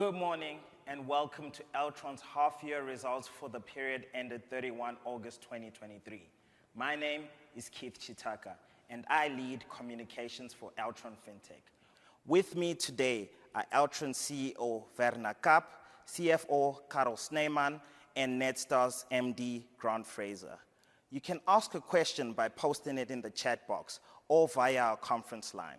Good morning, and welcome to Altron's half-year results for the period ended 31 August 2023. My name is Keith Chitaka, and I lead communications for Altron FinTech. With me today are Altron CEO Werner Kapp, CFO Carel Snyman, and Netstar's MD Grant Fraser. You can ask a question by posting it in the chat box or via our conference line.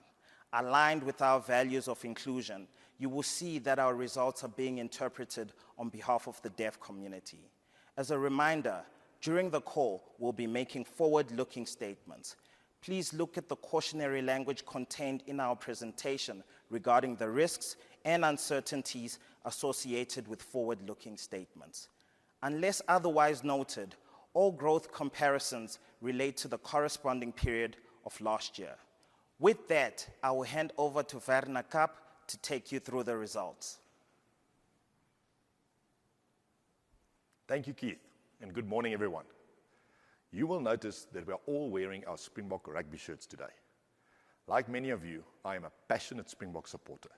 Aligned with our values of inclusion, you will see that our results are being interpreted on behalf of the deaf community. As a reminder, during the call, we'll be making forward-looking statements. Please look at the cautionary language contained in our presentation regarding the risks and uncertainties associated with forward-looking statements. Unless otherwise noted, all growth comparisons relate to the corresponding period of last year. With that, I will hand over to Werner Kapp to take you through the results. Thank you, Keith, and good morning, everyone. You will notice that we are all wearing our Springbok rugby shirts today. Like many of you, I am a passionate Springbok supporter,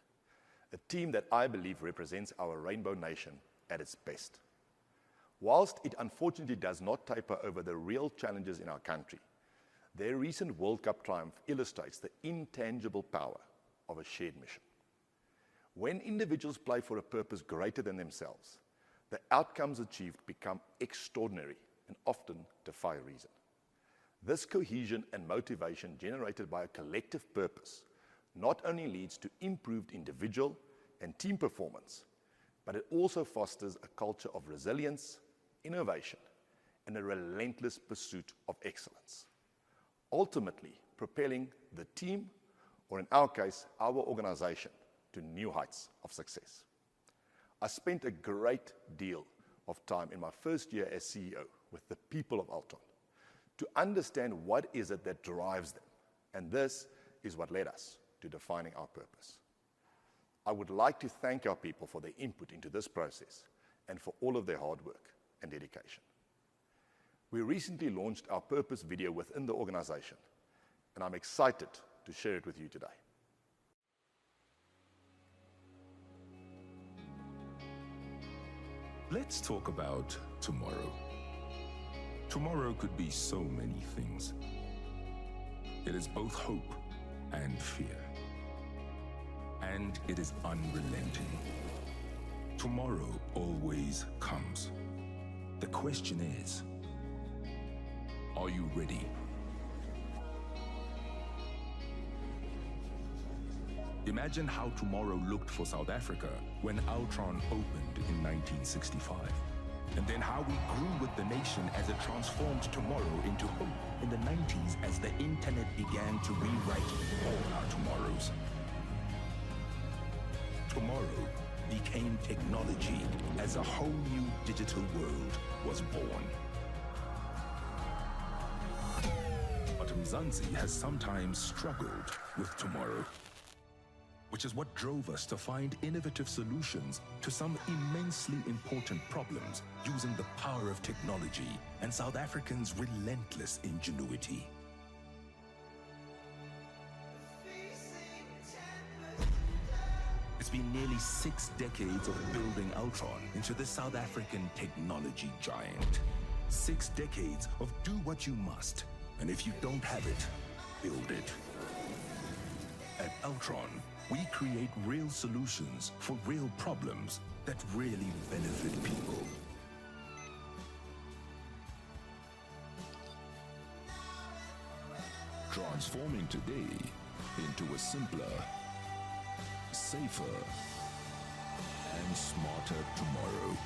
a team that I believe represents our Rainbow Nation at its best. While it unfortunately does not paper over the real challenges in our country, their recent World Cup triumph illustrates the intangible power of a shared mission. When individuals play for a purpose greater than themselves, the outcomes achieved become extraordinary and often defy reason. This cohesion and motivation generated by a collective purpose not only leads to improved individual and team performance, but it also fosters a culture of resilience, innovation, and a relentless pursuit of excellence, ultimately propelling the team, or in our case, our organization, to new heights of success. I spent a great deal of time in my first year as CEO with the people of Altron to understand what is it that drives them, and this is what led us to defining our purpose. I would like to thank our people for their input into this process and for all of their hard work and dedication. We recently launched our purpose video within the organization, and I'm excited to share it with you today. Let's talk about tomorrow. Tomorrow could be so many things. It is both hope and fear, and it is unrelenting. Tomorrow always comes. The question is, are you ready? Imagine how tomorrow looked for South Africa when Altron opened in 1965, and then how we grew with the nation as it transformed tomorrow into hope. In the 1990s, as the internet began to rewrite all our tomorrows. Tomorrow became technology as a whole new digital world was born. But Mzansi has sometimes struggled with tomorrow, which is what drove us to find innovative solutions to some immensely important problems using the power of technology and South Africans' relentless ingenuity. It's been nearly six decades of building Altron into the South African technology giant. Six decades of do what you must, and if you don't have it, build it. At Altron, we create real solutions for real problems that really benefit people. Transforming today into a simpler, safer and smarter tomorrow.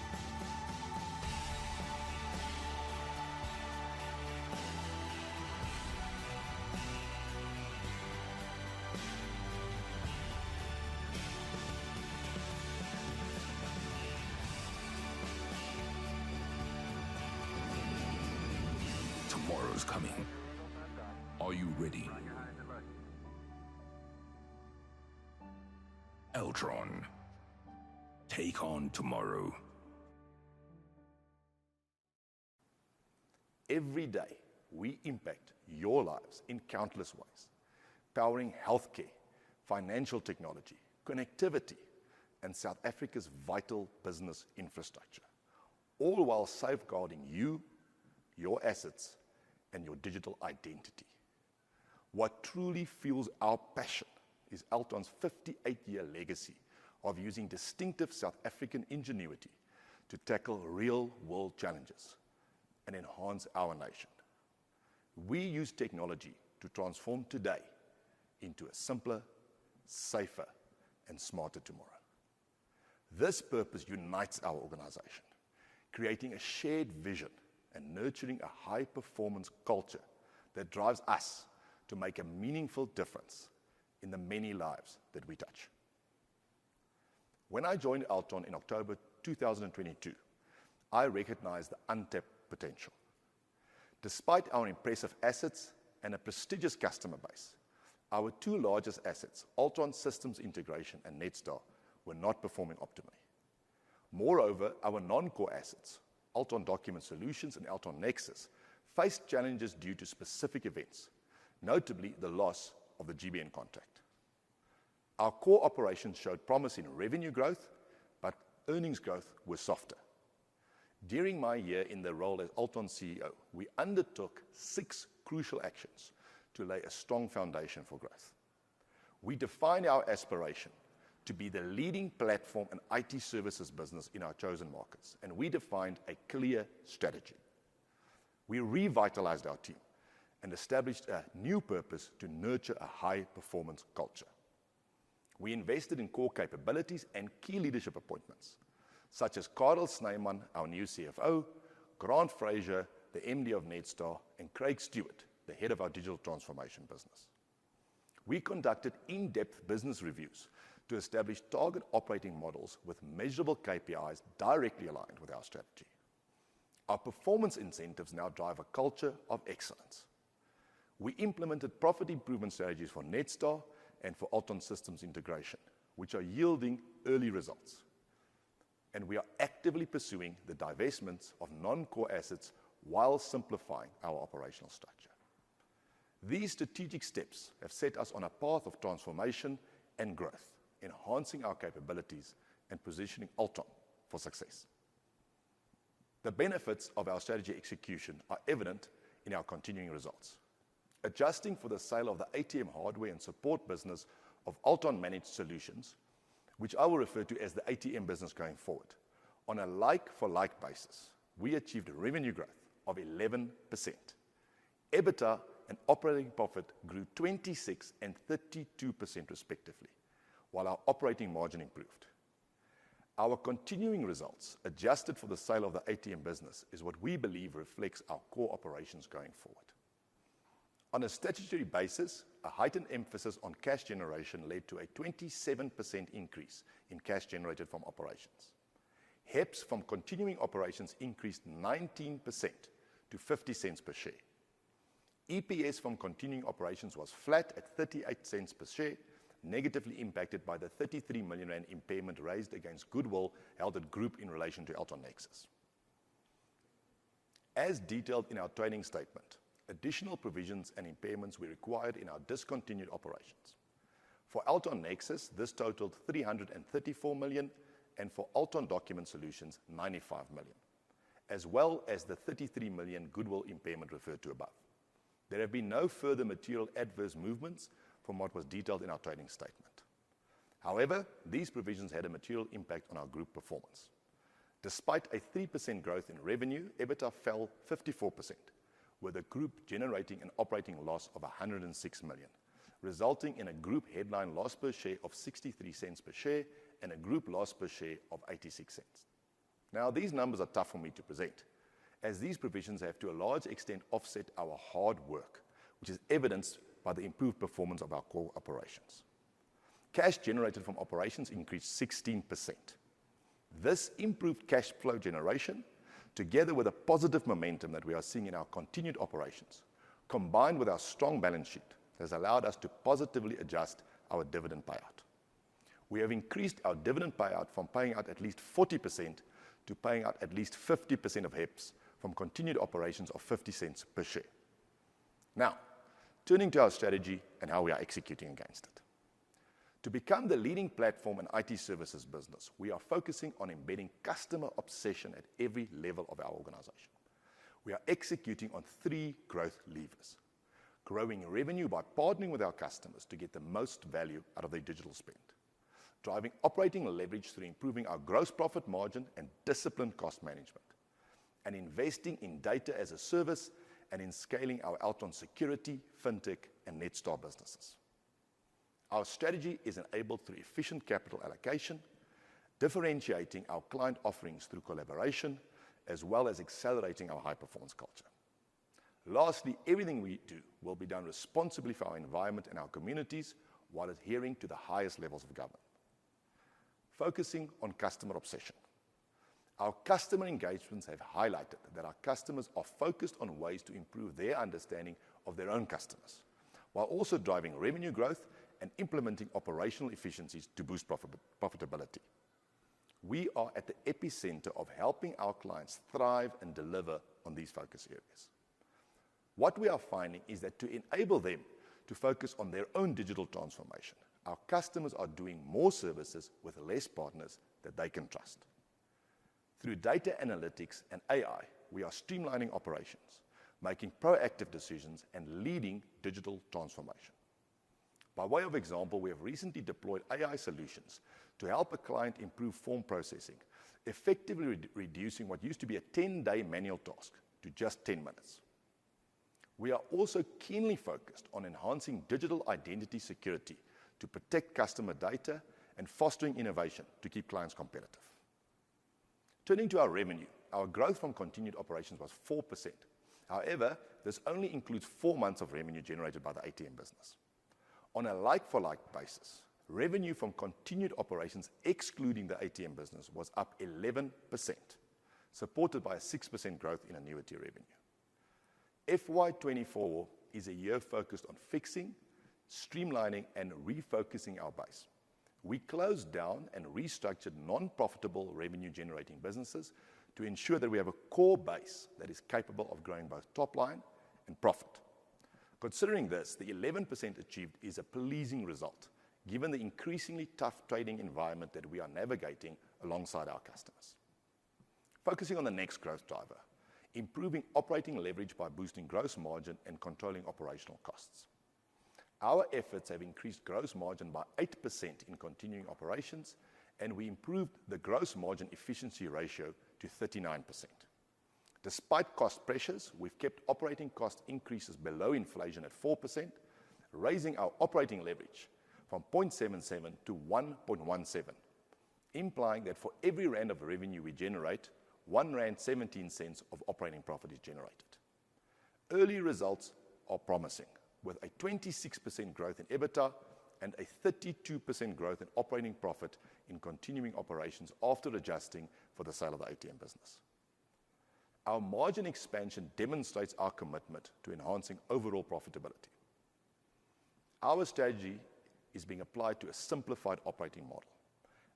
Tomorrow's coming. Are you ready? Altron: Take on tomorrow. Every day, we impact your lives in countless ways, powering healthcare, financial technology, connectivity, and South Africa's vital business infrastructure, all while safeguarding you, your assets, and your digital identity. What truly fuels our passion is Altron's 58-year legacy of using distinctive South African ingenuity to tackle real-world challenges and enhance our nation. We use technology to transform today into a simpler, safer, and smarter tomorrow. This purpose unites our organization, creating a shared vision and nurturing a high-performance culture that drives us to make a meaningful difference in the many lives that we touch. When I joined Altron in October 2022, I recognized the untapped potential. Despite our impressive assets and a prestigious customer base, our two largest assets, Altron Systems Integration and Netstar, were not performing optimally... Moreover, our non-core assets, Altron Document Solutions and Altron Nexus, faced challenges due to specific events, notably the loss of the GBN contract. Our core operations showed promise in revenue growth, but earnings growth was softer. During my year in the role as Altron CEO, we undertook six crucial actions to lay a strong foundation for growth. We defined our aspiration to be the leading platform in IT services business in our chosen markets, and we defined a clear strategy. We revitalized our team and established a new purpose to nurture a high-performance culture. We invested in core capabilities and key leadership appointments, such as Carel Snyman, our new CFO, Grant Fraser, the MD of Netstar, and Craig Stewart, the head of our digital transformation business. We conducted in-depth business reviews to establish target operating models with measurable KPIs directly aligned with our strategy. Our performance incentives now drive a culture of excellence. We implemented profit improvement strategies for Netstar and for Altron Systems Integration, which are yielding early results, and we are actively pursuing the divestments of non-core assets while simplifying our operational structure. These strategic steps have set us on a path of transformation and growth, enhancing our capabilities and positioning Altron for success. The benefits of our strategy execution are evident in our continuing results. Adjusting for the sale of the ATM hardware and support business of Altron Managed Solutions, which I will refer to as the ATM business going forward, on a like-for-like basis, we achieved a revenue growth of 11%. EBITDA and operating profit grew 26% and 32%, respectively, while our operating margin improved. Our continuing results, adjusted for the sale of the ATM business, is what we believe reflects our core operations going forward. On a statutory basis, a heightened emphasis on cash generation led to a 27% increase in cash generated from operations. HEPS from continuing operations increased 19% to 0.50 per share. EPS from continuing operations was flat at 0.38 per share, negatively impacted by the 33 million rand impairment raised against goodwill held at group in relation to Altron Nexus. As detailed in our trading statement, additional provisions and impairments were required in our discontinued operations. For Altron Nexus, this totaled 334 million, and for Altron Document Solutions, 95 million, as well as the 33 million goodwill impairment referred to above. There have been no further material adverse movements from what was detailed in our trading statement. However, these provisions had a material impact on our group performance. Despite a 3% growth in revenue, EBITDA fell 54%, with the group generating an operating loss of 106 million, resulting in a group headline loss per share of 0.63 per share and a group loss per share of 0.86. Now, these numbers are tough for me to present, as these provisions have, to a large extent, offset our hard work, which is evidenced by the improved performance of our core operations. Cash generated from operations increased 16%. This improved cash flow generation, together with a positive momentum that we are seeing in our continued operations, combined with our strong balance sheet, has allowed us to positively adjust our dividend payout. We have increased our dividend payout from paying out at least 40% to paying out at least 50% of HEPS from continued operations of 0.50 per share. Now, turning to our strategy and how we are executing against it. To become the leading platform in IT services business, we are focusing on embedding customer obsession at every level of our organization. We are executing on three growth levers: growing revenue by partnering with our customers to get the most value out of their digital spend, driving operating leverage through improving our gross profit margin and disciplined cost management, and investing in data as a service and in scaling our Altron Security, FinTech, and Netstar businesses. Our strategy is enabled through efficient capital allocation, differentiating our client offerings through collaboration, as well as accelerating our high-performance culture. Lastly, everything we do will be done responsibly for our environment and our communities while adhering to the highest levels of governance. cusing on customer obsession. Our customer engagements have highlighted that our customers are focused on ways to improve their understanding of their own customers, while also driving revenue growth and implementing operational efficiencies to boost profitability. We are at the epicenter of helping our clients thrive and deliver on these focus areas. What we are finding is that to enable them to focus on their own digital transformation, our customers are doing more services with less partners that they can trust. Through data analytics and AI, we are streamlining operations, making proactive decisions, and leading digital transformation. By way of example, we have recently deployed AI solutions to help a client improve form processing, effectively reducing what used to be a 10-day manual task to just 10 minutes. We are also keenly focused on enhancing digital identity security to protect customer data and fostering innovation to keep clients competitive. Turning to our revenue, our growth from continued operations was 4%. However, this only includes four months of revenue generated by the ATM business. On a like-for-like basis, revenue from continued operations, excluding the ATM business, was up 11%, supported by a 6% growth in annuity revenue.... FY 2024 is a year focused on fixing, streamlining, and refocusing our base. We closed down and restructured non-profitable revenue-generating businesses to ensure that we have a core base that is capable of growing both top line and profit. Considering this, the 11% achieved is a pleasing result, given the increasingly tough trading environment that we are navigating alongside our customers. Focusing on the next growth driver, improving operating leverage by boosting gross margin and controlling operational costs. Our efforts have increased gross margin by 8% in continuing operations, and we improved the gross margin efficiency ratio to 39%. Despite cost pressures, we've kept operating cost increases below inflation at 4%, raising our operating leverage from 0.77 to 1.17, implying that for every ZAR 1 of revenue we generate, 1.17 rand of operating profit is generated. Early results are promising, with a 26% growth in EBITDA and a 32% growth in operating profit in continuing operations after adjusting for the sale of the ATM business. Our margin expansion demonstrates our commitment to enhancing overall profitability. Our strategy is being applied to a simplified operating model.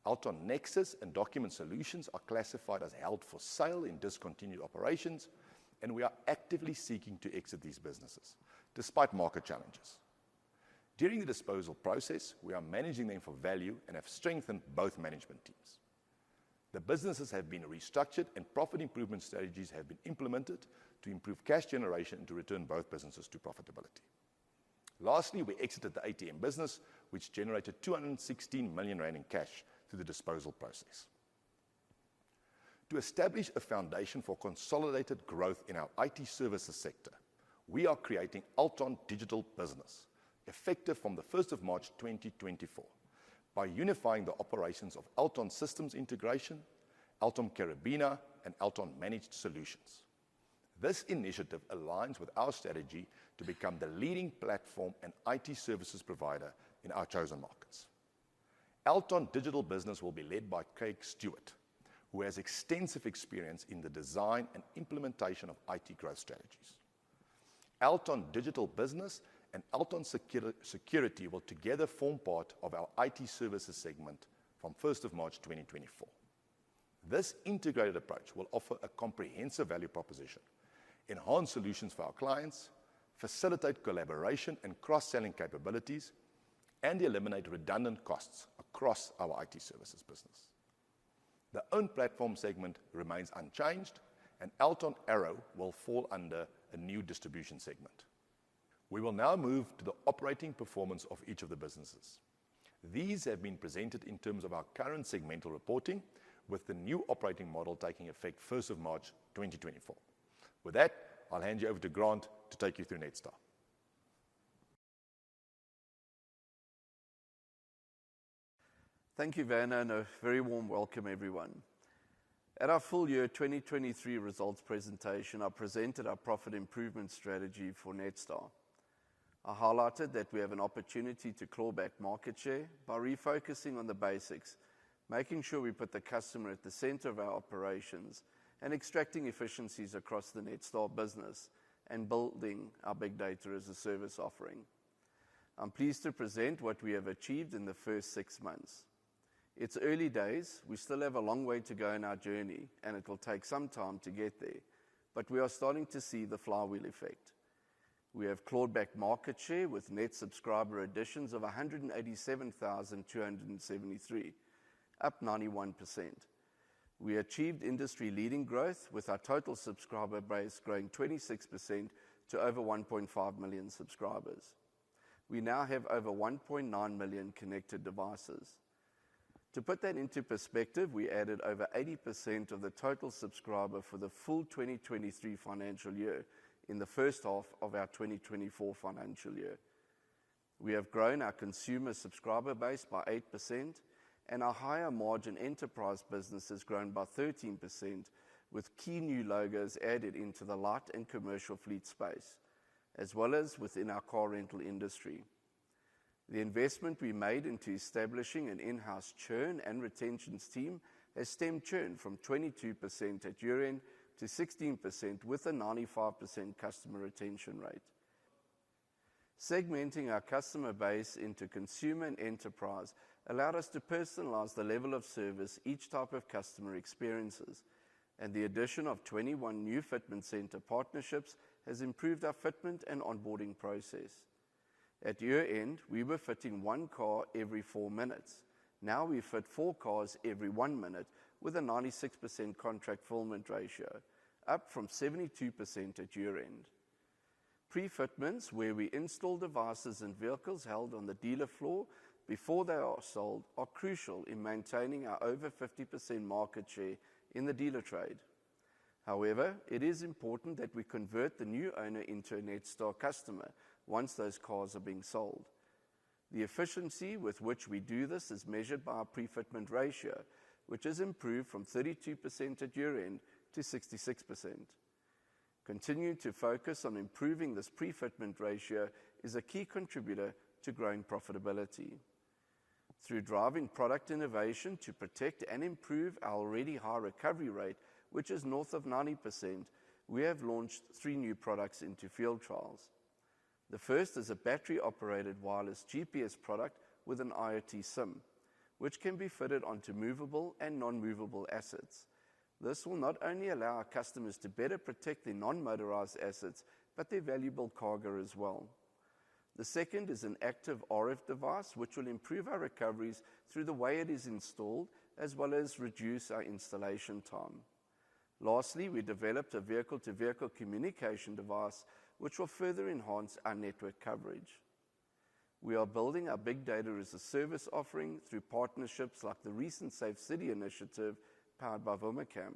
Altron Nexus and Document Solutions are classified as held for sale in discontinued operations, and we are actively seeking to exit these businesses despite market challenges. During the disposal process, we are managing them for value and have strengthened both management teams. The businesses have been restructured, and profit improvement strategies have been implemented to improve cash generation and to return both businesses to profitability. Lastly, we exited the ATM business, which generated 216 million rand in cash through the disposal process. To establish a foundation for consolidated growth in our IT services sector, we are creating Altron Digital Business, effective from the first of March 2024, by unifying the operations of Altron Systems Integration, Altron Karabina, and Altron Managed Solutions. This initiative aligns with our strategy to become the leading platform and IT services provider in our chosen markets. Altron Digital Business will be led by Craig Stewart, who has extensive experience in the design and implementation of IT growth strategies. Altron Digital Business and Altron Security will together form part of our IT Services segment from first of March 2024. This integrated approach will offer a comprehensive value proposition, enhance solutions for our clients, facilitate collaboration and cross-selling capabilities, and eliminate redundant costs across our IT services Own Platform segment remains unchanged, and Altron Arrow will fall under a new Distribution segment. We will now move to the operating performance of each of the businesses. These have been presented in terms of our current segmental reporting, with the new operating model taking effect first of March 2024. With that, I'll hand you over to Grant to take you through Netstar. Thank you, Werner, and a very warm welcome, everyone. At our full year 2023 results presentation, I presented our profit improvement strategy for Netstar. I highlighted that we have an opportunity to claw back market share by refocusing on the basics, making sure we put the customer at the center of our operations, and extracting efficiencies across the Netstar business and building our big data as a service offering. I'm pleased to present what we have achieved in the first six months. It's early days. We still have a long way to go in our journey, and it will take some time to get there, but we are starting to see the flywheel effect. We have clawed back market share with net subscriber additions of 187,273, up 91%. We achieved industry-leading growth, with our total subscriber base growing 26% to over 1.5 million subscribers. We now have over 1.9 million connected devices. To put that into perspective, we added over 80% of the total subscriber for the full 2023 financial year in the first half of our 2024 financial year. We have grown our consumer subscriber base by 8%, and our higher-margin enterprise business has grown by 13%, with key new logos added into the light and commercial fleet space, as well as within our car rental industry. The investment we made into establishing an in-house churn and retention team has stemmed churn from 22% at year-end to 16%, with a 95% customer retention rate. Segmenting our customer base into consumer and enterprise allowed us to personalize the level of service each type of customer experiences, and the addition of 21 new fitment center partnerships has improved our fitment and onboarding process. At year-end, we were fitting one car every 4 minutes. Now, we fit four cars every one minute, with a 96% contract fulfillment ratio, up from 72% at year-end. Pre-fitments, where we install devices in vehicles held on the dealer floor before they are sold, are crucial in maintaining our over 50% market share in the dealer trade. However, it is important that we convert the new owner into a Netstar customer once those cars are being sold. The efficiency with which we do this is measured by our pre-fitment ratio, which has improved from 32% at year-end to 66%. Continuing to focus on improving this pre-fitment ratio is a key contributor to growing profitability. Through driving product innovation to protect and improve our already high recovery rate, which is north of 90%, we have launched three new products into field trials. The first is a battery-operated wireless GPS product with an IoT SIM, which can be fitted onto movable and non-movable assets. This will not only allow our customers to better protect their non-motorized assets, but their valuable cargo as well. The second is an active RF device, which will improve our recoveries through the way it is installed, as well as reduce our installation time. Lastly, we developed a vehicle-to-vehicle communication device, which will further enhance our network coverage. We are building our big data as a service offering through partnerships like the recent SafeCity Initiative, powered by Vumacam.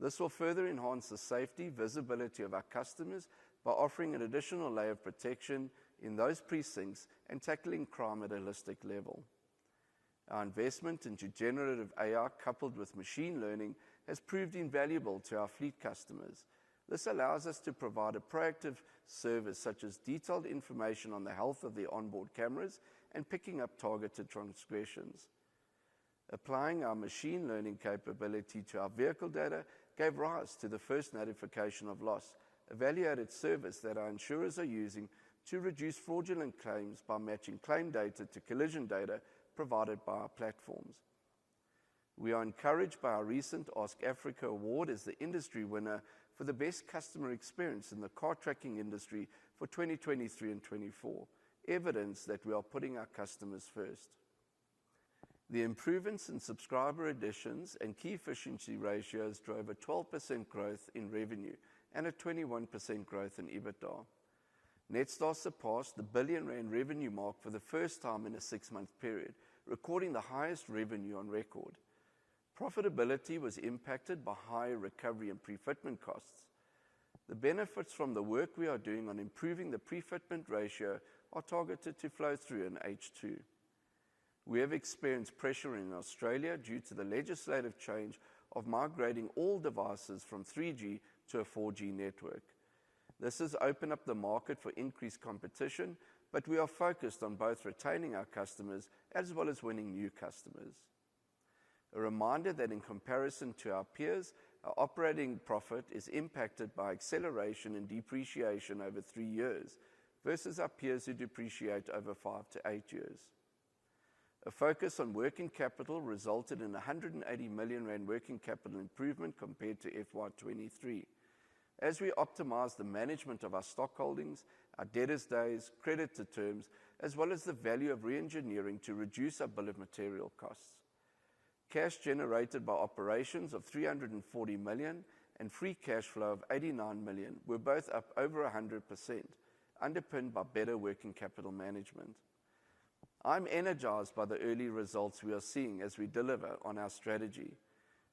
This will further enhance the safety, visibility of our customers by offering an additional layer of protection in those precincts and tackling crime at a holistic level. Our investment into generative AI, coupled with machine learning, has proved invaluable to our fleet customers. This allows us to provide a proactive service, such as detailed information on the health of the onboard cameras and picking up targeted transgressions. Applying our machine learning capability to our vehicle data gave rise to the First Notification of Loss, a value-added service that our insurers are using to reduce fraudulent claims by matching claim data to collision data provided by our platforms. We are encouraged by our recent Ask Afrika award as the industry winner for the best customer experience in the car tracking industry for 2023 and 2024, evidence that we are putting our customers first. The improvements in subscriber additions and key efficiency ratios drove a 12% growth in revenue and a 21% growth in EBITDA. Netstar surpassed the 1 billion rand revenue mark for the first time in a six-month period, recording the highest revenue on record. Profitability was impacted by higher recovery and prefitment costs. The benefits from the work we are doing on improving the prefitment ratio are targeted to flow through in H2. We have experienced pressure in Australia due to the legislative change of migrating all devices from 3G to a 4G network. This has opened up the market for increased competition, but we are focused on both retaining our customers as well as winning new customers. A reminder that in comparison to our peers, our operating profit is impacted by acceleration and depreciation over 3 years versus our peers who depreciate over 5-8 years. A focus on working capital resulted in 180 million rand working capital improvement compared to FY 2023. As we optimize the management of our stock holdings, our debtors days, credit to terms, as well as the value of reengineering to reduce our bill of material costs. Cash generated by operations of 340 million, and free cash flow of 89 million were both up over 100%, underpinned by better working capital management. I'm energized by the early results we are seeing as we deliver on our strategy.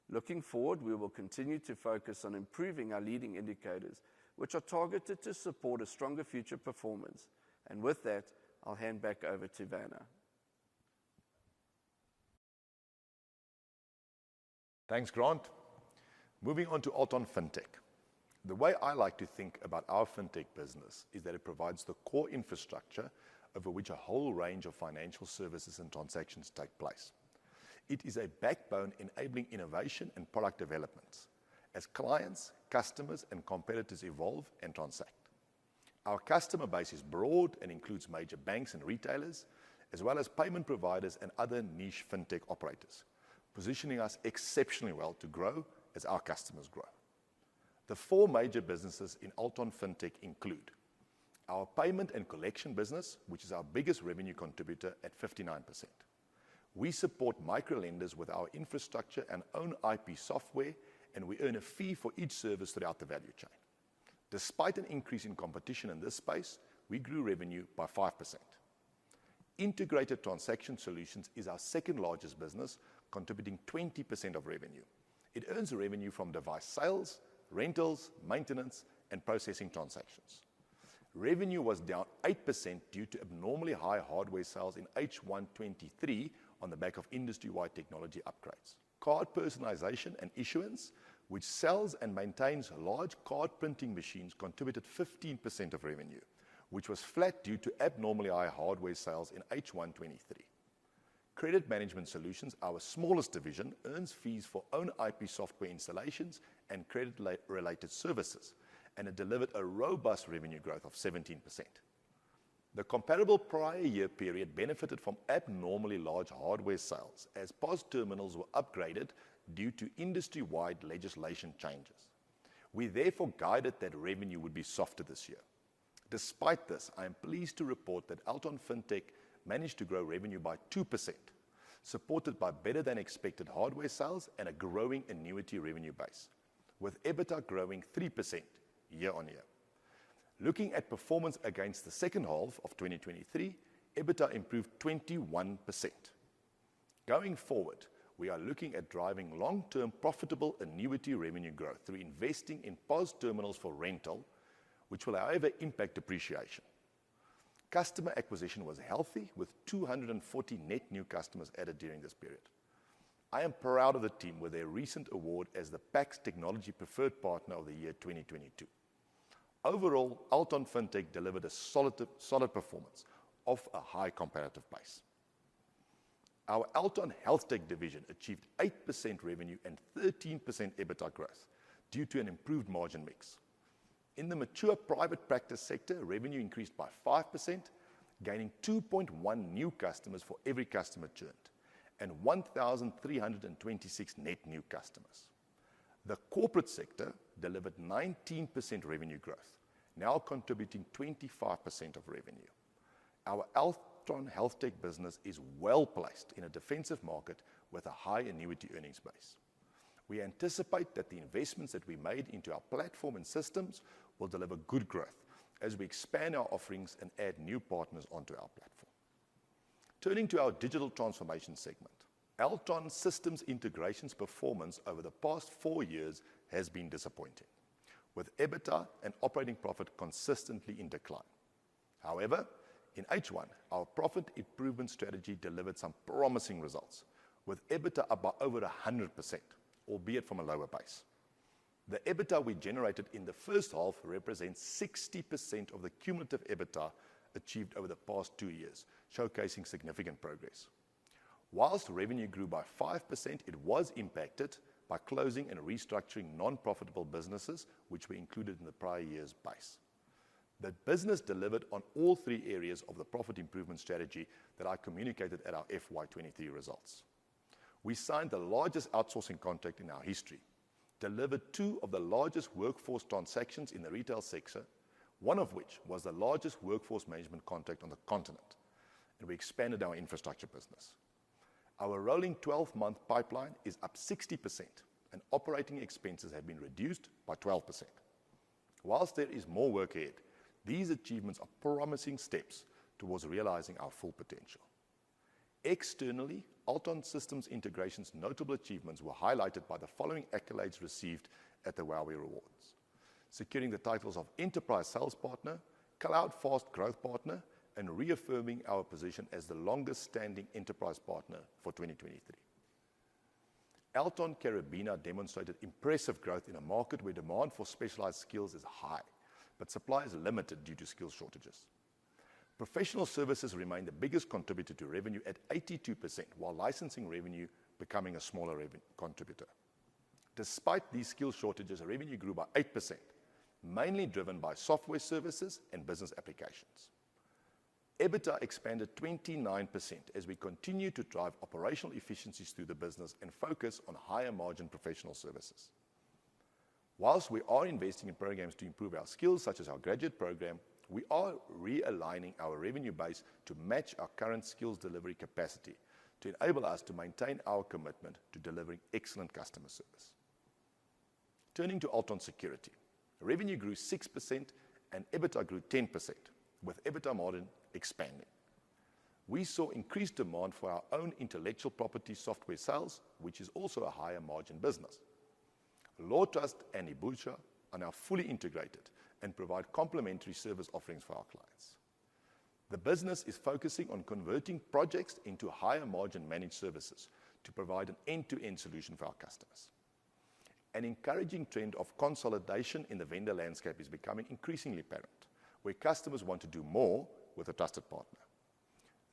Looking forward, we will continue to focus on improving our leading indicators, which are targeted to support a stronger future performance. With that, I'll hand back over to Werner. Thanks, Grant. Moving on to Altron FinTech. The way I like to think about our fintech business is that it provides the core infrastructure over which a whole range of financial services and transactions take place. It is a backbone enabling innovation and product developments as clients, customers, and competitors evolve and transact. Our customer base is broad and includes major banks and retailers, as well as payment providers and other niche fintech operators, positioning us exceptionally well to grow as our customers grow. The four major businesses in Altron FinTech include our payment and collection business, which is our biggest revenue contributor at 59%. We support micro lenders with our infrastructure and own IP software, and we earn a fee for each service throughout the value chain. Despite an increase in competition in this space, we grew revenue by 5%. Integrated Transaction Solutions is our second largest business, contributing 20% of revenue. It earns revenue from device sales, rentals, maintenance, and processing transactions. Revenue was down 8% due to abnormally high hardware sales in H1 2023 on the back of industry-wide technology upgrades. Card Personalization and Issuance, which sells and maintains large card printing machines, contributed 15% of revenue, which was flat due to abnormally high hardware sales in H1 2023. Credit Management Solutions, our smallest division, earns fees for own IP software installations and credit-related services, and it delivered a robust revenue growth of 17%. The comparable prior year period benefited from abnormally large hardware sales as POS terminals were upgraded due to industry-wide legislation changes. We therefore guided that revenue would be softer this year. Despite this, I am pleased to report that Altron FinTech managed to grow revenue by 2%, supported by better-than-expected hardware sales and a growing annuity revenue base, with EBITDA growing 3% year on year. Looking at performance against the second half of 2023, EBITDA improved 21%. Going forward, we are looking at driving long-term, profitable annuity revenue growth through investing in POS terminals for rental, which will however impact depreciation. Customer acquisition was healthy, with 240 net new customers added during this period. I am proud of the team with their recent award as the PAX Technology Preferred Partner of the Year 2022. Overall, Altron FinTech delivered a solid, solid performance off a high comparative base. Our Altron HealthTech division achieved 8% revenue and 13% EBITDA growth due to an improved margin mix. In the mature private practice sector, revenue increased by 5%, gaining 2.1 new customers for every customer churned and 1,326 net new customers. The corporate sector delivered 19% revenue growth, now contributing 25% of revenue. Our Altron HealthTech business is well-placed in a defensive market with a high annuity earnings base. We anticipate that the investments that we made into our platform and systems will deliver good growth as we expand our offerings and add new partners onto our platform. Turning to our Digital Transformation segment, Altron Systems Integration's performance over the past four years has been disappointing, with EBITDA and operating profit consistently in decline. However, in H1, our profit improvement strategy delivered some promising results, with EBITDA up by over 100%, albeit from a lower base. The EBITDA we generated in the first half represents 60% of the cumulative EBITDA achieved over the past 2 years, showcasing significant progress. While revenue grew by 5%, it was impacted by closing and restructuring non-profitable businesses, which were included in the prior year's base. The business delivered on all 3 areas of the profit improvement strategy that I communicated at our FY 2023 results. We signed the largest outsourcing contract in our history, delivered two of the largest workforce transactions in the retail sector, one of which was the largest workforce management contract on the continent, and we expanded our infrastructure business. Our rolling 12-month pipeline is up 60%, and operating expenses have been reduced by 12%. While there is more work ahead, these achievements are promising steps towards realizing our full potential. Externally, Altron Systems Integration's notable achievements were highlighted by the following accolades received at the Huawei Rewards: securing the titles of Enterprise Sales Partner, Cloud Fast Growth Partner, and reaffirming our position as the longest-standing enterprise partner for 2023. Altron Karabina demonstrated impressive growth in a market where demand for specialized skills is high, but supply is limited due to skills shortages. Professional services remain the biggest contributor to revenue at 82%, while licensing revenue becoming a smaller revenue contributor. Despite these skills shortages, our revenue grew by 8%, mainly driven by software services and business applications. EBITDA expanded 29% as we continue to drive operational efficiencies through the business and focus on higher-margin professional services. While we are investing in programs to improve our skills, such as our graduate program, we are realigning our revenue base to match our current skills delivery capacity to enable us to maintain our commitment to delivering excellent customer service. Turning to Altron Security, revenue grew 6% and EBITDA grew 10%, with EBITDA margin expanding. We saw increased demand for our own intellectual property software sales, which is also a higher margin business. LAWtrust and Ubusha are now fully integrated and provide complementary service offerings for our clients. The business is focusing on converting projects into higher-margin managed services to provide an end-to-end solution for our customers. An encouraging trend of consolidation in the vendor landscape is becoming increasingly apparent, where customers want to do more with a trusted partner.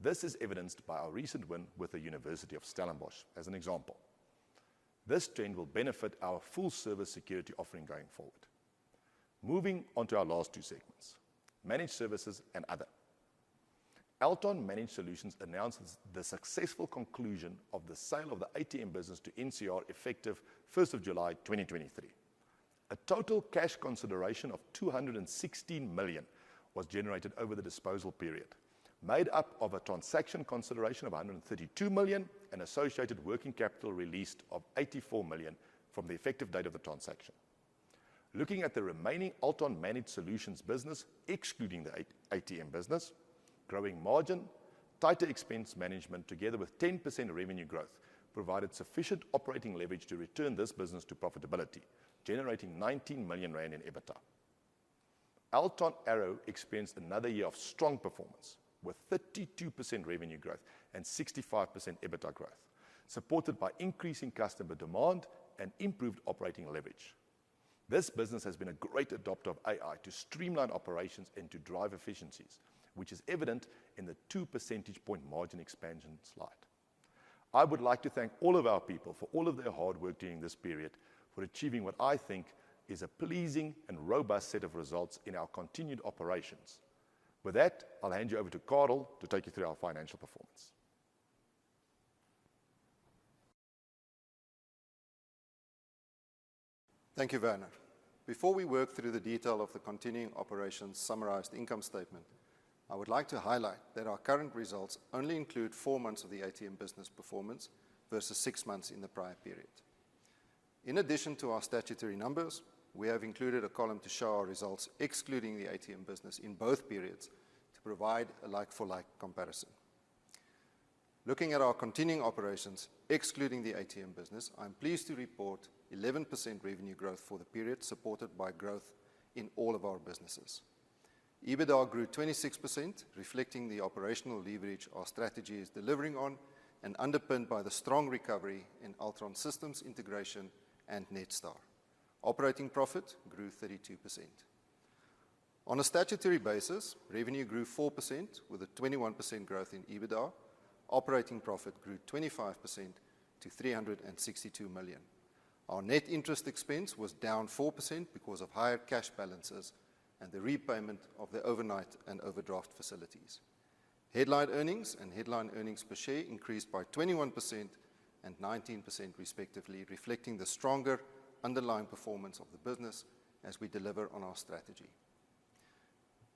This is evidenced by our recent win with the University of Stellenbosch, as an example. This trend will benefit our full service security offering going forward. Moving on to our last two segments, Managed Services and Other. Altron Managed Solutions announces the successful conclusion of the sale of the ATM business to NCR, effective 1st of July 2023. A total cash consideration of 216 million was generated over the disposal period, made up of a transaction consideration of 132 million and associated working capital released of 84 million from the effective date of the transaction. Looking at the remaining Altron Managed Solutions business, excluding the ATM business, growing margin, tighter expense management, together with 10% revenue growth, provided sufficient operating leverage to return this business to profitability, generating 19 million rand in EBITDA. Altron Arrow experienced another year of strong performance, with 32% revenue growth and 65% EBITDA growth, supported by increasing customer demand and improved operating leverage. This business has been a great adopter of AI to streamline operations and to drive efficiencies, which is evident in the two percentage point margin expansion slide. I would like to thank all of our people for all of their hard work during this period, for achieving what I think is a pleasing and robust set of results in our continued operations. With that, I'll hand you over to Carel to take you through our financial performance. Thank you, Werner. Before we work through the detail of the continuing operations summarized income statement, I would like to highlight that our current results only include 4 months of the ATM business performance versus 6 months in the prior period. In addition to our statutory numbers, we have included a column to show our results, excluding the ATM business in both periods, to provide a like-for-like comparison. Looking at our continuing operations, excluding the ATM business, I'm pleased to report 11% revenue growth for the period, supported by growth in all of our businesses.... EBITDA grew 26%, reflecting the operational leverage our strategy is delivering on and underpinned by the strong recovery in Altron Systems Integration and Netstar. Operating profit grew 32%. On a statutory basis, revenue grew 4%, with a 21% growth in EBITDA. Operating profit grew 25% to 362 million. Our net interest expense was down 4% because of higher cash balances and the repayment of the overnight and overdraft facilities. Headline earnings and headline earnings per share increased by 21% and 19%, respectively, reflecting the stronger underlying performance of the business as we deliver on our strategy.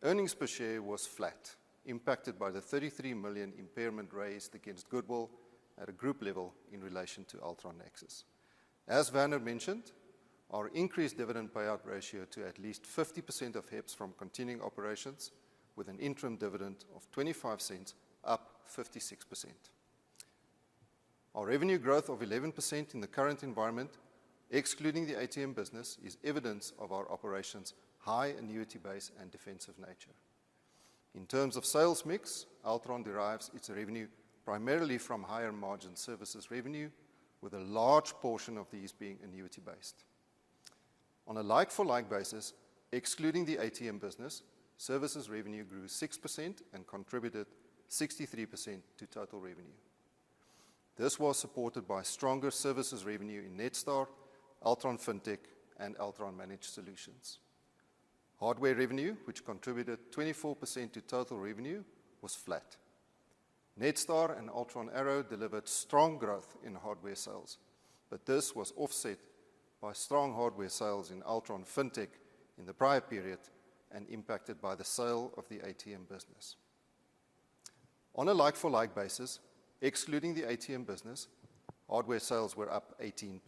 Earnings per share was flat, impacted by the 33 million impairment raised against goodwill at a group level in relation to Altron Nexus. As Werner mentioned, our increased dividend payout ratio to at least 50% of HEPS from continuing operations, with an interim dividend of 0.25, up 56%. Our revenue growth of 11% in the current environment, excluding the ATM business, is evidence of our operations' high annuity base and defensive nature. In terms of sales mix, Altron derives its revenue primarily from higher-margin services revenue, with a large portion of these being annuity-based. On a like-for-like basis, excluding the ATM business, services revenue grew 6% and contributed 63% to total revenue. This was supported by stronger services revenue in Netstar, Altron FinTech, and Altron Managed Solutions. Hardware revenue, which contributed 24% to total revenue, was flat. Netstar and Altron Arrow delivered strong growth in hardware sales, but this was offset by strong hardware sales in Altron FinTech in the prior period and impacted by the sale of the ATM business. On a like-for-like basis, excluding the ATM business, hardware sales were up 18%.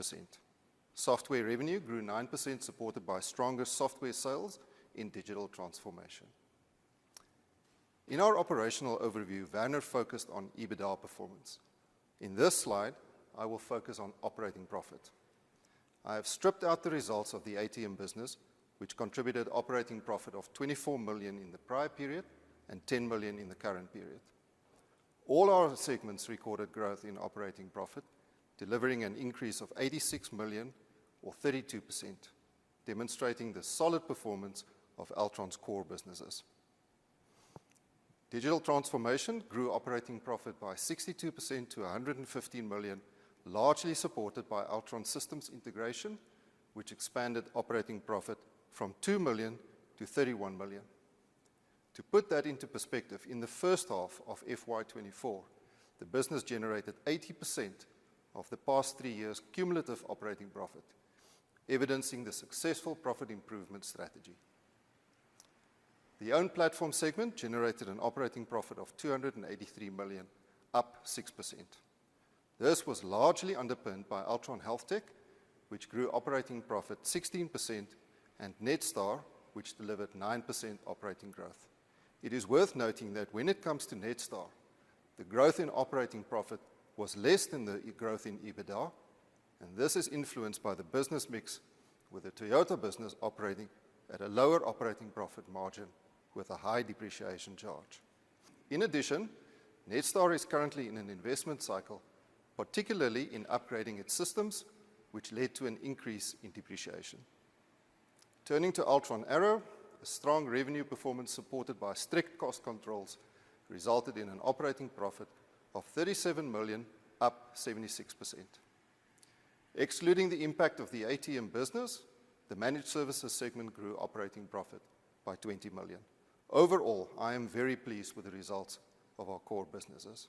Software revenue grew 9%, supported by stronger software sales in digital transformation. In our operational overview, Werner focused on EBITDA performance. In this slide, I will focus on operating profit. I have stripped out the results of the ATM business, which contributed operating profit of 24 million in the prior period and 10 million in the current period. All our segments recorded growth in operating profit, delivering an increase of 86 million or 32%, demonstrating the solid performance of Altron's core businesses. Digital transformation grew operating profit by 62% to 115 million, largely supported by Altron Systems Integration, which expanded operating profit from 2 million to 31 million. To put that into perspective, in the first half of FY 2024, the business generated 80% of the past three years' cumulative operating profit, evidencing the successful profit improvement Own Platform segment generated an operating profit of 283 million, up 6%. This was largely underpinned by Altron HealthTech, which grew operating profit 16%, and Netstar, which delivered 9% operating growth. It is worth noting that when it comes to Netstar, the growth in operating profit was less than the growth in EBITDA, and this is influenced by the business mix, with the Toyota business operating at a lower operating profit margin with a high depreciation charge. In addition, Netstar is currently in an investment cycle, particularly in upgrading its systems, which led to an increase in depreciation. Turning to Altron Arrow, a strong revenue performance supported by strict cost controls resulted in an operating profit of 37 million, up 76%. Excluding the impact of the ATM business, the Managed Services segment grew operating profit by 20 million. Overall, I am very pleased with the results of our core businesses.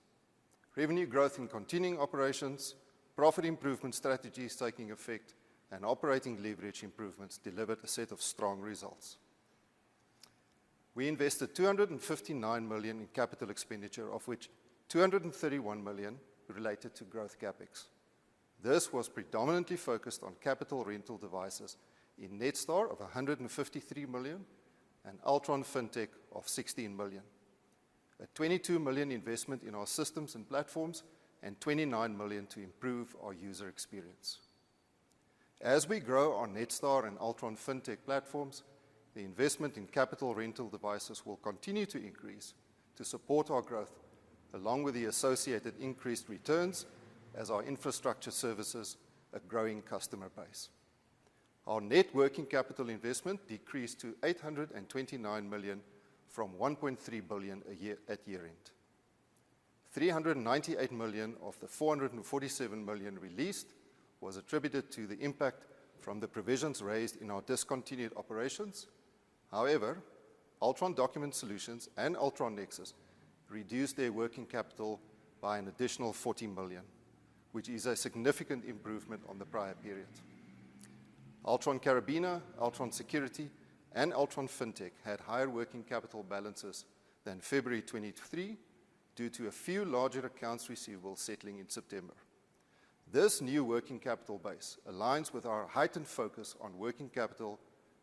Revenue growth in continuing operations, profit improvement strategies taking effect, and operating leverage improvements delivered a set of strong results. We invested 259 million in capital expenditure, of which 231 million related to growth CapEx. This was predominantly focused on capital rental devices in Netstar of 153 million and Altron FinTech of 16 million. A 22 million investment in our systems and platforms and 29 million to improve our user experience. As we grow our Netstar and Altron FinTech platforms, the investment in capital rental devices will continue to increase to support our growth, along with the associated increased returns as our infrastructure services a growing customer base. Our net working capital investment decreased to 829 million from 1.3 billion a year at year-end. 398 million of the 447 million released was attributed to the impact from the provisions raised in our discontinued operations. However, Altron Document Solutions and Altron Nexus reduced their working capital by an additional 40 million, which is a significant improvement on the prior period. Altron Karabina, Altron Security, and Altron FinTech had higher working capital balances than February 2023 due to a few larger accounts receivable settling in September. This new working capital base aligns with our heightened focus on working capital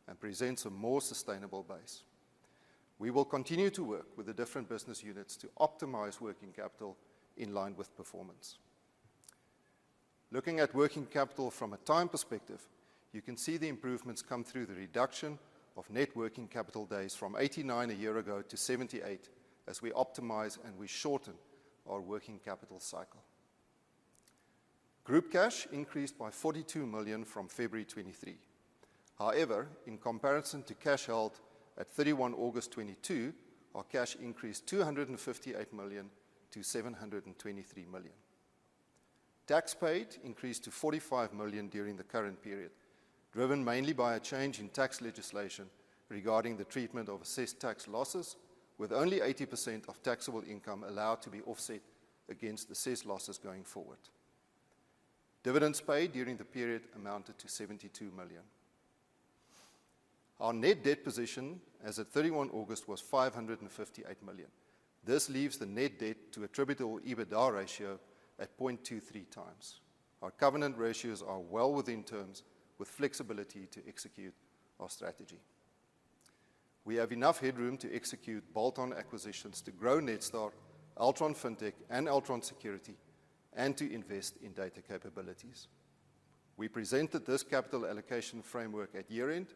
and presents a more sustainable base. We will continue to work with the different business units to optimize working capital in line with performance.... Looking at working capital from a time perspective, you can see the improvements come through the reduction of net working capital days from 89 a year ago to 78, as we optimize and we shorten our working capital cycle. Group cash increased by 42 million from February 2023. However, in comparison to cash held at 31 August 2022, our cash increased 258 million to 723 million. Tax paid increased to 45 million during the current period, driven mainly by a change in tax legislation regarding the treatment of assessed tax losses, with only 80% of taxable income allowed to be offset against assessed losses going forward. Dividends paid during the period amounted to 72 million. Our net debt position as at 31 August was 558 million. This leaves the net debt to attributable EBITDA ratio at 0.23 times. Our covenant ratios are well within terms, with flexibility to execute our strategy. We have enough headroom to execute bolt-on acquisitions to grow Netstar, Altron FinTech, and Altron Security, and to invest in data capabilities. We presented this capital allocation framework at year-end,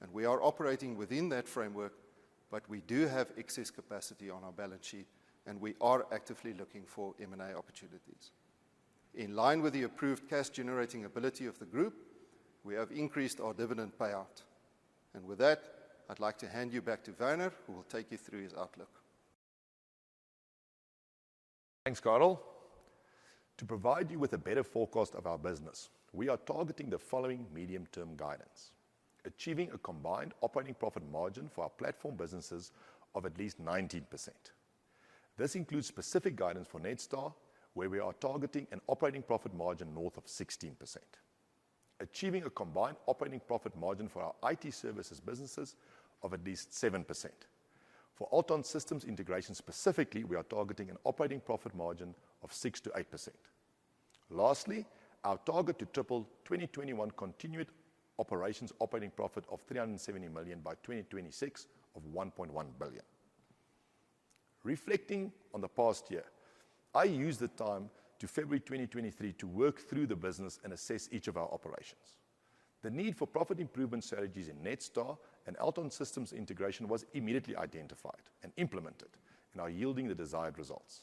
and we are operating within that framework, but we do have excess capacity on our balance sheet, and we are actively looking for M&A opportunities. In line with the approved cash-generating ability of the group, we have increased our dividend payout. And with that, I'd like to hand you back to Werner, who will take you through his outlook. Thanks, Carel. To provide you with a better forecast of our business, we are targeting the following medium-term guidance: achieving a combined operating profit margin for our platform businesses of at least 19%. This includes specific guidance for Netstar, where we are targeting an operating profit margin north of 16%. Achieving a combined operating profit margin for our IT services businesses of at least 7%. For Altron Systems Integration, specifically, we are targeting an operating profit margin of 6%-8%. Lastly, our target to triple 2021 continued operations operating profit of 370 million by 2026 of 1.1 billion. Reflecting on the past year, I used the time to February 2023 to work through the business and assess each of our operations. The need for profit improvement strategies in Netstar and Altron Systems Integration was immediately identified and implemented and are yielding the desired results.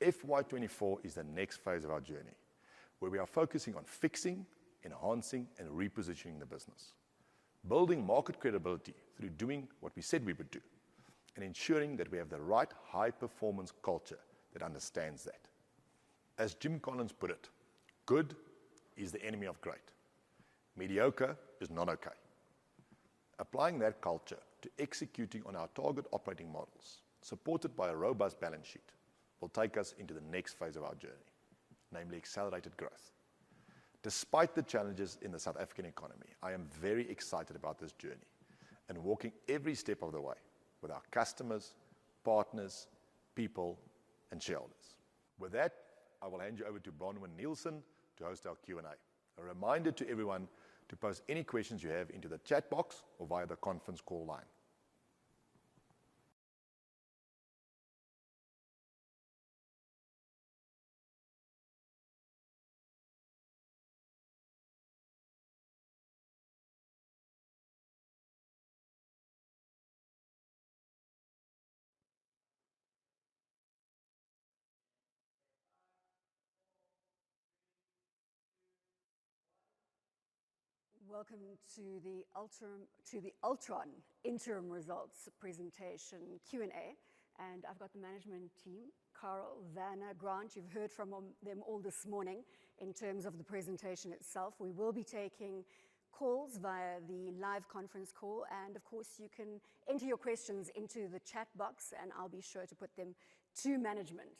FY 2024 is the next phase of our journey, where we are focusing on fixing, enhancing, and repositioning the business, building market credibility through doing what we said we would do, and ensuring that we have the right high-performance culture that understands that. As Jim Collins put it, Good is the enemy of great. Mediocre is not okay. Applying that culture to executing on our target operating models, supported by a robust balance sheet, will take us into the next phase of our journey, namely accelerated growth. Despite the challenges in the South African economy, I am very excited about this journey and walking every step of the way with our customers, partners, people, and shareholders. With that, I will hand you over to Bronwyn Nielsen to host our Q&A. A reminder to everyone to post any questions you have into the chat box or via the conference call line. Welcome to the Altron Interim Results Presentation Q&A, and I've got the management team, Carel, Werner, Grant. You've heard from them all this morning in terms of the presentation itself. We will be taking calls via the live conference call, and of course, you can enter your questions into the chat box, and I'll be sure to put them to management.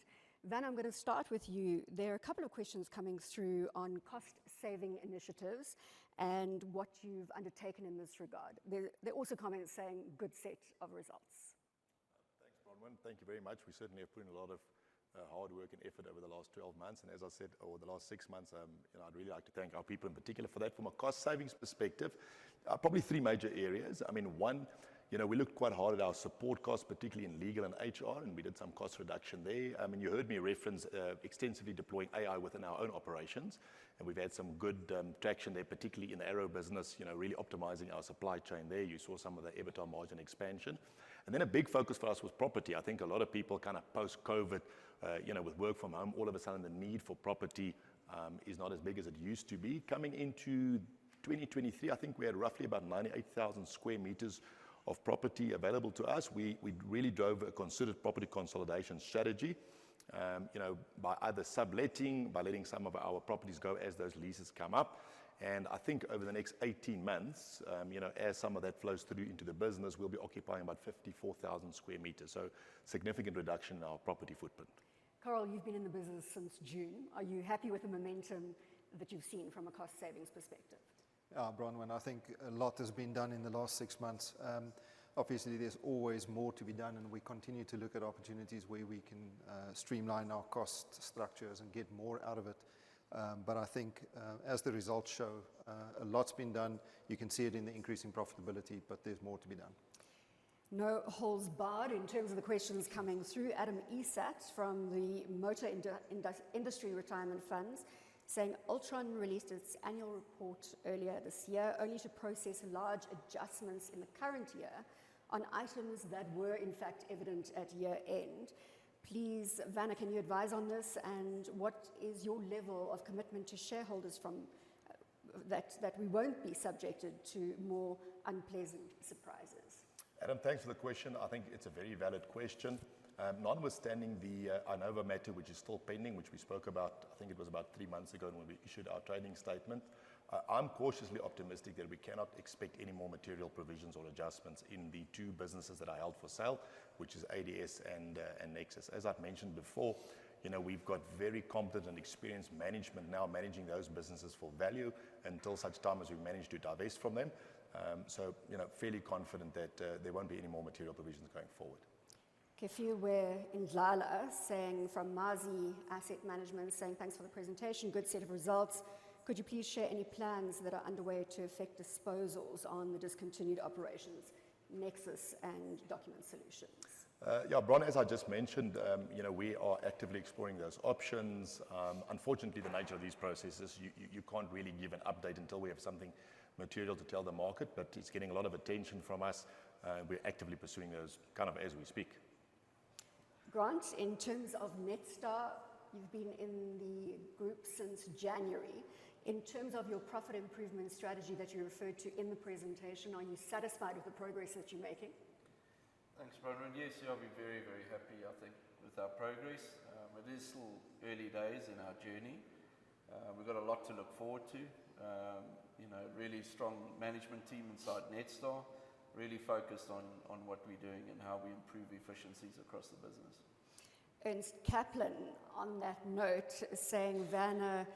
Werner, I'm gonna start with you. There are a couple of questions coming through on cost-saving initiatives and what you've undertaken in this regard. They're also coming and saying, Good set of results. Thanks, Bronwyn. Thank you very much. We certainly have put in a lot of hard work and effort over the last 12 months, and as I said, over the last six months, you know, I'd really like to thank our people in particular for that. From a cost savings perspective, probably three major areas. I mean, one, you know, we looked quite hard at our support costs, particularly in legal and HR, and we did some cost reduction there. I mean, you heard me reference, extensively deploying AI within our own operations, and we've had some good traction there, particularly in the Arrow business, you know, really optimizing our supply chain there. You saw some of the EBITDA margin expansion. And then a big focus for us was property. I think a lot of people kind of post-COVID, you know, with work from home, all of a sudden, the need for property is not as big as it used to be. Coming into 2023, I think we had roughly about 98,000 square meters of property available to us. We really drove a considered property consolidation strategy, you know, by either subletting, by letting some of our properties go as those leases come up. I think over the next 18 months, you know, as some of that flows through into the business, we'll be occupying about 54,000 square meters. So significant reduction in our property footprint. Carel, you've been in the business since June. Are you happy with the momentum that you've seen from a cost savings perspective? Bronwyn, I think a lot has been done in the last six months. Obviously, there's always more to be done, and we continue to look at opportunities where we can streamline our cost structures and get more out of it. But I think, as the results show, a lot's been done. You can see it in the increasing profitability, but there's more to be done.... No holds barred in terms of the questions coming through. Adam Isaacs from the Motor Industry Retirement Funds, saying, Altron released its annual report earlier this year, only to process large adjustments in the current year on items that were, in fact, evident at year-end. Please, Werner, can you advise on this? And what is your level of commitment to shareholders from that, that we won't be subjected to more unpleasant surprises? Adam, thanks for the question. I think it's a very valid question. Notwithstanding the Anova matter, which is still pending, which we spoke about, I think it was about three months ago when we issued our trading statement, I'm cautiously optimistic that we cannot expect any more material provisions or adjustments in the two businesses that are held for sale, which is ADS and Nexus. As I've mentioned before, you know, we've got very competent and experienced management now managing those businesses for value until such time as we manage to divest from them. So, you know, fairly confident that there won't be any more material provisions going forward. Kefilwe Ndlala from Mazi Asset Management: Thanks for the presentation. Good set of results. Could you please share any plans that are underway to effect disposals on the discontinued operations, Nexus and Document Solutions? Yeah, Bronwyn, as I just mentioned, you know, we are actively exploring those options. Unfortunately, the nature of these processes, you can't really give an update until we have something material to tell the market, but it's getting a lot of attention from us, we're actively pursuing those kind of as we speak. Grant, in terms of Netstar, you've been in the group since January. In terms of your profit improvement strategy that you referred to in the presentation, are you satisfied with the progress that you're making? Thanks, Bronwyn. Yes, yeah, I'll be very, very happy, I think, with our progress. It is still early days in our journey. We've got a lot to look forward to. You know, really strong management team inside Netstar, really focused on, on what we're doing and how we improve efficiencies across the business. Ernst Kaplan, on that note, saying, Werner,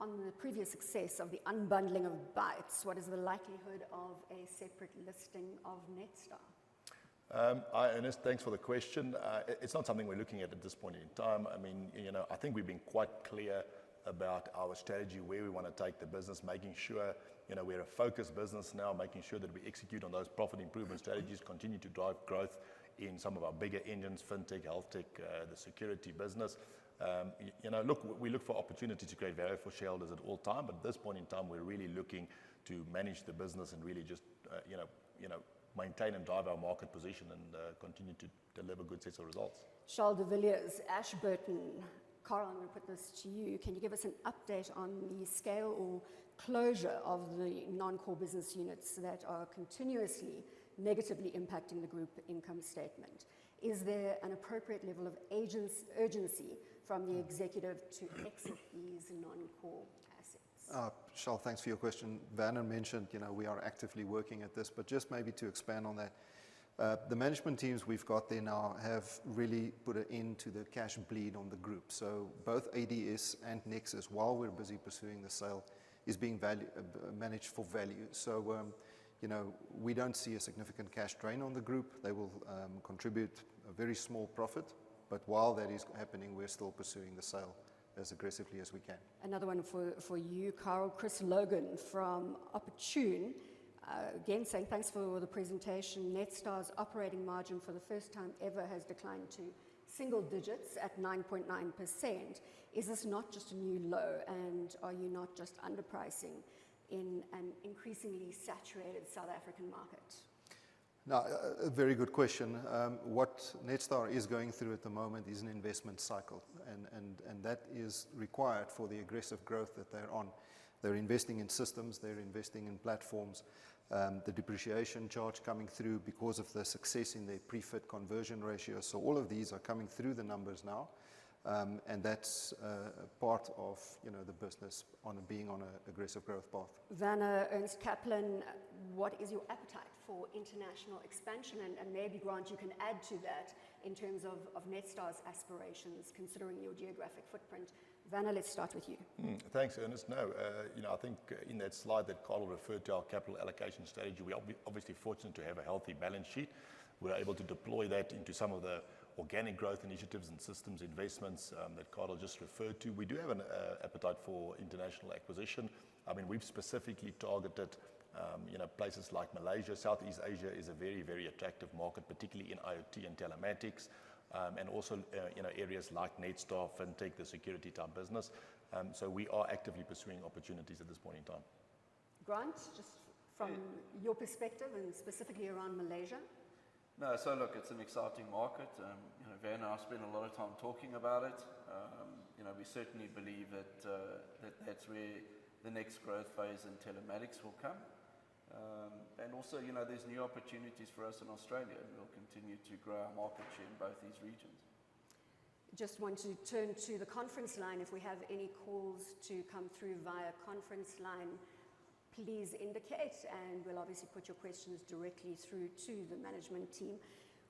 on the previous success of the unbundling of Bytes, what is the likelihood of a separate listing of Netstar? Hi, Ernst. Thanks for the question. It's not something we're looking at at this point in time. I mean, you know, I think we've been quite clear about our strategy, where we wanna take the business, making sure, you know, we're a focused business now, making sure that we execute on those profit improvement strategies, continue to drive growth in some of our bigger engines, fintech, healthtech, the security business. You know, look, we look for opportunities to create value for shareholders at all time, but at this point in time, we're really looking to manage the business and really just, you know, you know, maintain and drive our market position and, continue to deliver good sets of results. Charl de Villiers, Ashburton. Carel, I'm gonna put this to you: Can you give us an update on the scale or closure of the non-core business units that are continuously negatively impacting the group income statement? Is there an appropriate level of urgency from the executive to exit these non-core assets? Charl, thanks for your question. Werner mentioned, you know, we are actively working at this, but just maybe to expand on that, the management teams we've got there now have really put an end to the cash bleed on the group. So both ADS and Nexus, while we're busy pursuing the sale, is being value managed for value. So, you know, we don't see a significant cash drain on the group. They will contribute a very small profit, but while that is happening, we're still pursuing the sale as aggressively as we can. Another one for you, Carel. Chris Logan from Opportune, again, saying, Thanks for the presentation. Netstar's operating margin, for the first time ever, has declined to single digits at 9.9%. Is this not just a new low, and are you not just underpricing in an increasingly saturated South African market? Now, a very good question. What Netstar is going through at the moment is an investment cycle, and that is required for the aggressive growth that they're on. They're investing in systems, they're investing in platforms, the depreciation charge coming through because of the success in their pre-fit conversion ratio. So all of these are coming through the numbers now, and that's a part of, you know, the business on being on an aggressive growth path. Werner, what is your appetite for international expansion? And, and maybe, Grant, you can add to that in terms of, of Netstar's aspirations, considering your geographic footprint. Werner, let's start with you. Thanks, Ernst. No, you know, I think in that slide that Carel referred to our capital allocation strategy, we are obviously fortunate to have a healthy balance sheet. We're able to deploy that into some of the organic growth initiatives and systems investments that Carel just referred to. We do have an appetite for international acquisition. I mean, we've specifically targeted, you know, places like Malaysia. Southeast Asia is a very, very attractive market, particularly in IoT and telematics, and also, you know, areas like Netstar FinTech, the security IT business. So we are actively pursuing opportunities at this point in time. Grant, just from your perspective and specifically around Malaysia? No, so look, it's an exciting market, you know, Werner and I spend a lot of time talking about it. You know, we certainly believe that, that that's where the next growth phase in telematics will come. And also, you know, there's new opportunities for us in Australia, and we'll continue to grow our market share in both these regions. Just want to turn to the conference line. If we have any calls to come through via conference line, please indicate, and we'll obviously put your questions directly through to the management team.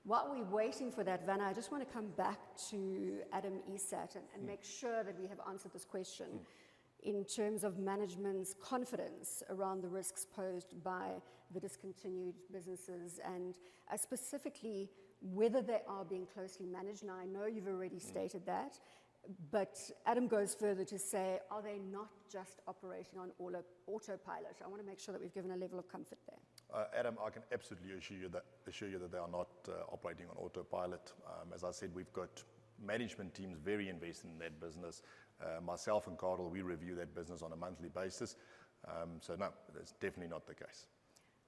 While we're waiting for that, Werner, I just want to come back to Adam Isaacs- Mm... and make sure that we have answered this question... in terms of management's confidence around the risks posed by the discontinued businesses, and, specifically whether they are being closely managed. Now, I know you've already stated that- Mm. But Adam goes further to say: Are they not just operating on auto, autopilot? I wanna make sure that we've given a level of comfort there. Adam, I can absolutely assure you that, assure you that they are not operating on autopilot. As I said, we've got management teams very invested in that business. Myself and Carel, we review that business on a monthly basis. So no, that's definitely not the case.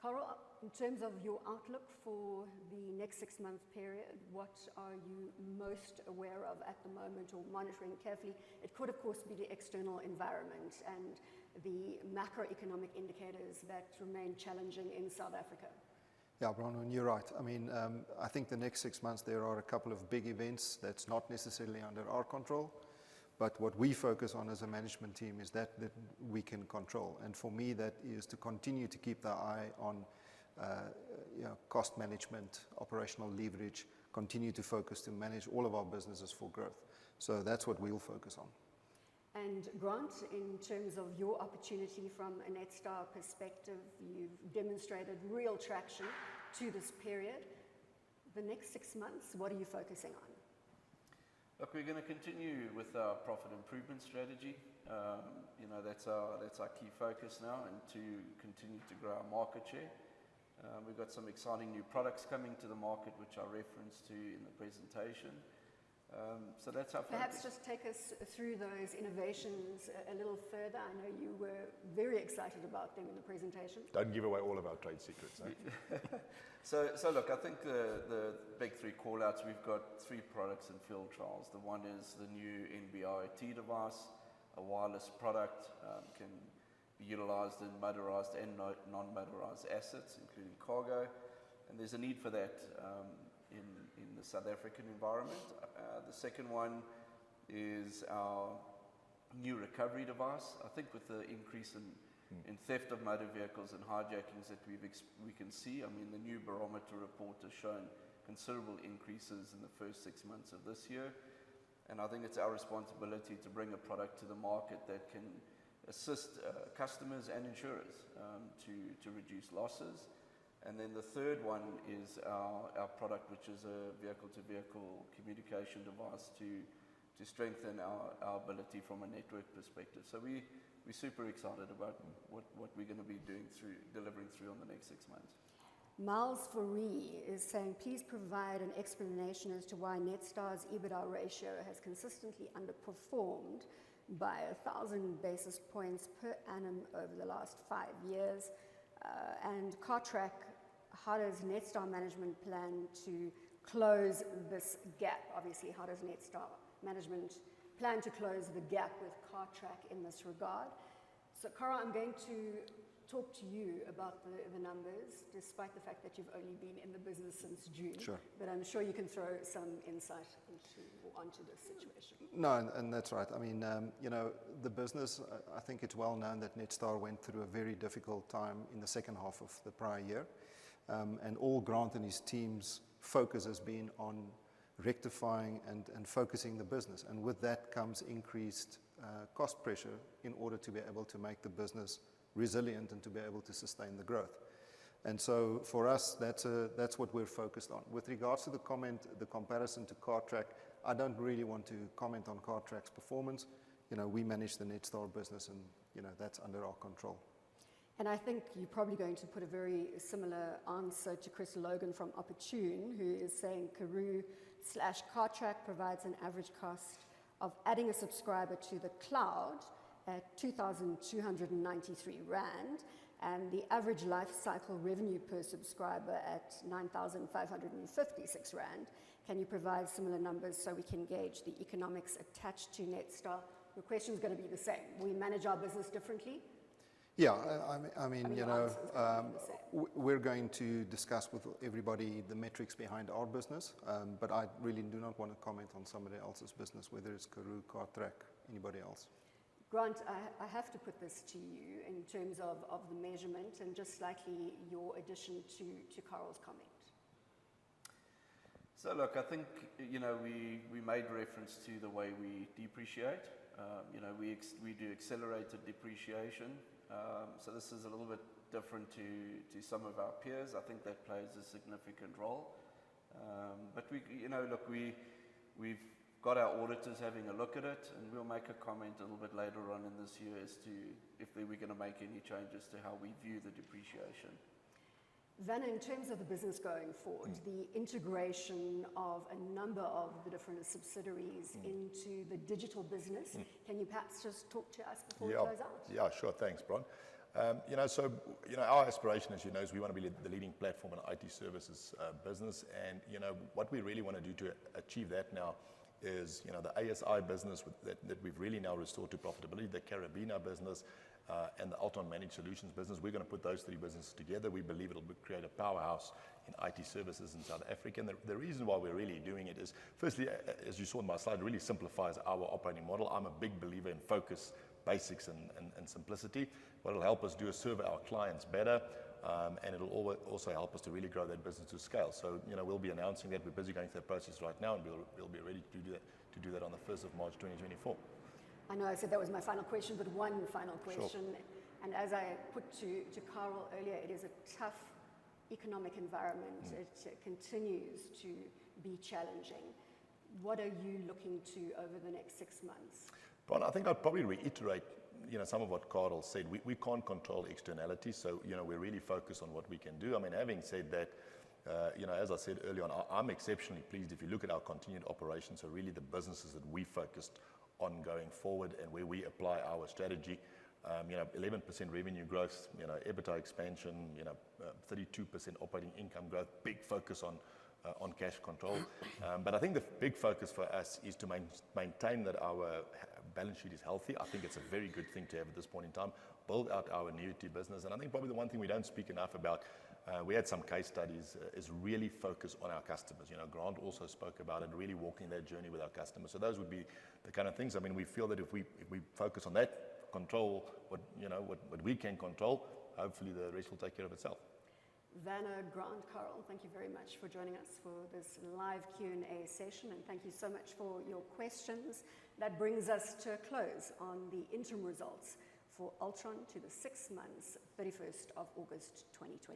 Carel, in terms of your outlook for the next six-month period, what are you most aware of at the moment or monitoring carefully? It could, of course, be the external environment and the macroeconomic indicators that remain challenging in South Africa. Yeah, Bronwyn, you're right. I mean, I think the next six months there are a couple of big events that's not necessarily under our control, but what we focus on as a management team is that, that we can control. And for me, that is to continue to keep the eye on, you know, cost management, operational leverage, continue to focus to manage all of our businesses for growth. So that's what we'll focus on. Grant, in terms of your opportunity from a Netstar perspective, you've demonstrated real traction to this period. The next six months, what are you focusing on? Look, we're gonna continue with our profit improvement strategy. You know, that's our, that's our key focus now, and to continue to grow our market share. We've got some exciting new products coming to the market, which I referenced to in the presentation. So that's our focus. Perhaps just take us through those innovations a little further. I know you were very excited about them in the presentation. Don't give away all of our trade secrets, eh? So, look, I think the big three call-outs, we've got three products in field trials. The one is the new NB-IoT device. A wireless product can be utilized in motorized and non-motorized assets, including cargo, and there's a need for that in the South African environment. The second one is our new recovery device. I think with the increase in theft of motor vehicles and hijackings that we've we can see, I mean, the new barometer report has shown considerable increases in the first six months of this year, and I think it's our responsibility to bring a product to the market that can assist customers and insurers to reduce losses. And then the third one is our product, which is a vehicle-to-vehicle communication device to strengthen our ability from a network perspective. So we're super excited about what we're gonna be doing through delivering on the next six months. Miles Ferree is saying, Please provide an explanation as to why Netstar's EBITDA ratio has consistently underperformed by a thousand basis points per annum over the last five years. And Cartrack, how does Netstar management plan to close this gap? Obviously, how does Netstar management plan to close the gap with Cartrack in this regard? So, Carel, I'm going to talk to you about the numbers, despite the fact that you've only been in the business since June. Sure. But I'm sure you can throw some insight into or onto this situation. No, and that's right. I mean, you know, the business, I think it's well known that Netstar went through a very difficult time in the second half of the prior year. And all Grant and his team's focus has been on rectifying and focusing the business, and with that comes increased cost pressure in order to be able to make the business resilient and to be able to sustain the growth. And so for us, that's, that's what we're focused on. With regards to the comment, the comparison to Cartrack, I don't really want to comment on Cartrack's performance. You know, we manage the Netstar business, and, you know, that's under our control. And I think you're probably going to put a very similar answer to Chris Logan from Opportune, who is saying, Karooooo/Cartrack provides an average cost of adding a subscriber to the cloud at 2,293 rand, and the average life cycle revenue per subscriber at 9,556 rand. Can you provide similar numbers so we can gauge the economics attached to Netstar? The question is gonna be the same. We manage our business differently? Yeah, I mean, you know- I mean, ours is gonna be the same.... we're going to discuss with everybody the metrics behind our business, but I really do not want to comment on somebody else's business, whether it's Karooooo, Cartrack, anybody else. Grant, I have to put this to you in terms of the measurement and just likely your addition to Carel's comment. So look, I think, you know, we made reference to the way we depreciate. You know, we do accelerated depreciation. So this is a little bit different to some of our peers. I think that plays a significant role. But we, you know, look, we've got our auditors having a look at it, and we'll make a comment a little bit later on in this year as to if we were gonna make any changes to how we view the depreciation. Werner, in terms of the business going forward- Mm... the integration of a number of the different subsidiaries- Mm into the digital business Mm. Can you perhaps just talk to us before we close out? Yeah. Yeah, sure. Thanks, Bron. You know, so, you know, our aspiration, as you know, is we wanna be the, the leading platform in IT services, business. And you know, what we really wanna do to achieve that now is, you know, the ASI business with that, that we've really now restored to profitability, the Karabina business, and the Altron Managed Solutions business, we're gonna put those three businesses together. We believe it'll create a powerhouse in IT services in South Africa. And the, the reason why we're really doing it is, firstly, as you saw in my slide, really simplifies our operating model. I'm a big believer in focus, basics, and simplicity. What it'll help us do is serve our clients better, and it'll also help us to really grow that business to scale. You know, we'll be announcing that. We're busy going through that process right now, and we'll be ready to do that on the 1st of March 2024. I know I said that was my final question, but one final question. Sure. As I put to Carel earlier, it is a tough economic environment. Mm. It continues to be challenging. What are you looking to over the next six months? Bron, I think I'd probably reiterate, you know, some of what Carel said. We can't control externalities, so, you know, we're really focused on what we can do. I mean, having said that, you know, as I said earlier on, I'm exceptionally pleased. If you look at our continued operations, so really the businesses that we focused on going forward and where we apply our strategy, you know, 11% revenue growth, you know, EBITDA expansion, you know, 32% operating income growth, big focus on, on cash control. But I think the big focus for us is to maintain that our balance sheet is healthy. I think it's a very good thing to have at this point in time, build out our annuity business. I think probably the one thing we don't speak enough about, we had some case studies, is really focused on our customers. You know, Grant also spoke about it, really walking that journey with our customers. So those would be the kind of things. I mean, we feel that if we, if we focus on that, control what, you know, what, what we can control, hopefully the rest will take care of itself. Werner, Grant, Carel, thank you very much for joining us for this live Q&A session. Thank you so much for your questions. That brings us to a close on the interim results for Altron to the six months, 31st of August 2024.